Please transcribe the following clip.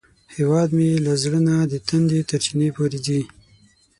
هیواد مې له زړه نه د تندي تر چینې پورې ځي